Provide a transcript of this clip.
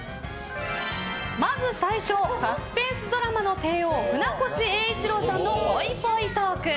まず最初サスペンスドラマの帝王船越英一郎さんのぽいぽいトーク。